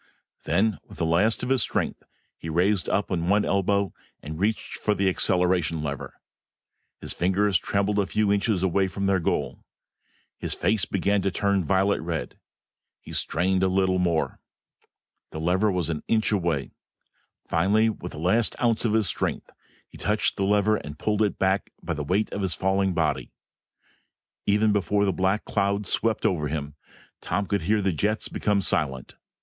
Then, with the last of his strength, he raised up on one elbow and reached for the acceleration lever. His fingers trembled a few inches away from their goal. His face began to turn violent red. He strained a little more. The lever was an inch away. Finally, with the very last ounce of his strength, he touched the lever and pulled it back by the weight of his falling body. Even before the black cloud swept over him, Tom could hear the jets become silent.